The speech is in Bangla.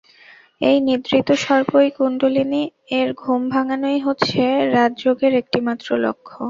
এই নিদ্রিত সর্পই কুণ্ডলিনী, এর ঘুম ভাঙানোই হচ্ছে রাজযোগের একটিমাত্র লক্ষ্য।